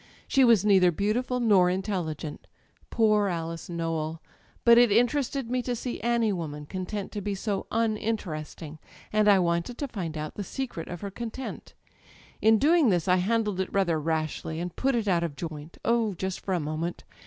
She was neither beautiful nor intelligent â€" poor Alice Nowell! â€" but it interested me to see any woman content to be so [ 250 ] Digitized by LjOOQ IC THE EYES uninteresting, and I wanted to find out the secret of her content. In doing this I handled it rather rashly, and put it out of joint â€" oh, just for a moment!